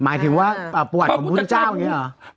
หมายถึงว่าปวดของพระพุทธเจ้าเนี่ยเหรอ